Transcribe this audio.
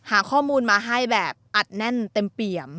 หาข้อมูลมาให้แบบอัดแน่นติดต่อ